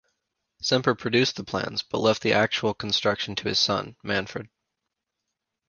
Semper produced the plans, but left the actual construction to his son, Manfred.